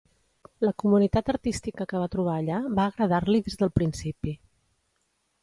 La comunitat artística que va trobar allà va agradar-li des del principi.